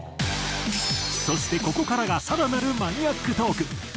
そしてここからが更なるマニアックトーク。